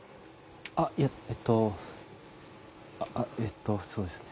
あっいええっとあっえっとそうですね。